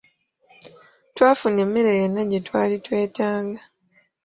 Twafuna emmere yonna gye twali twetaaga.